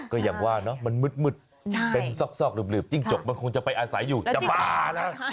ก็อย่างว่าเนอะมันมืดเป็นซอกหลืบจิ้งจกมันคงจะไปอาศัยอยู่จะบ้านะ